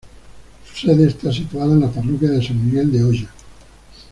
Su sede esta situada en la parroquia de San Miguel de Oya.